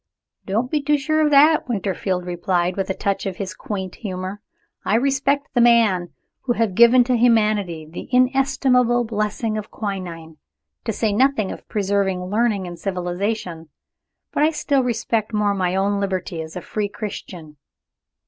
"Don't be too sure of that," Winterfield replied, with a touch of his quaint humor. "I respect the men who have given to humanity the inestimable blessing of quinine to say nothing of preserving learning and civilization but I respect still more my own liberty as a free Christian."